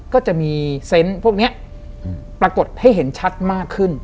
ก็จะมีเซนต์พวกนี้ปรากฏให้เห็นชัดมากขึ้น